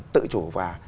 tự chủ và